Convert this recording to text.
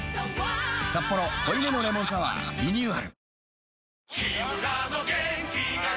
「サッポロ濃いめのレモンサワー」リニューアル